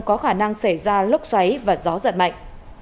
có khả năng xảy ra lốc xoáy và gió giật mạnh